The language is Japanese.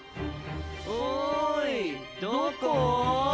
おいどこぉ？